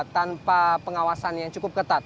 tanpa pengawasan yang cukup ketat